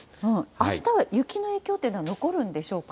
あしたは雪の影響っていうのは残るんでしょうか。